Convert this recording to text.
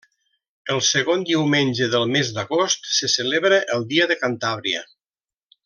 El segon diumenge del mes d'agost se celebra el Dia de Cantàbria.